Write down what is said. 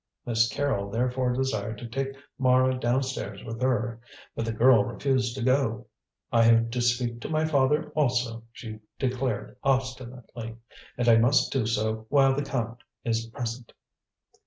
Miss Carrol therefore desired to take Mara downstairs with her, but the girl refused to go. "I have to speak to my father also," she declared obstinately, "and I must do so while the Count is present."